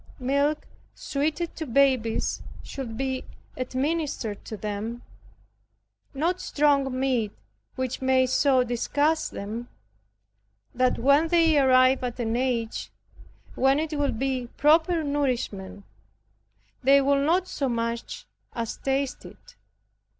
Milk suited to babies should be administered to them not strong meat which may so disgust them, that when they arrive at an age when it would be proper nourishment, they will not so much as taste it.